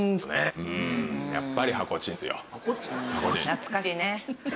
懐かしい？